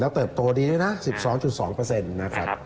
แล้วเติบโตดีดีนะ๑๒๒นะครับ